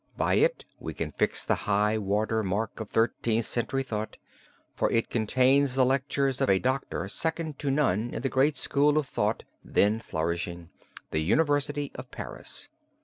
By it we can fix the high water mark of Thirteenth Century thought, for it contains the lectures of a doctor second to none in the great school of thought then flourishing the University of Paris.